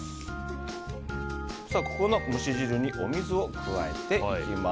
この蒸し汁にお水を加えていきます。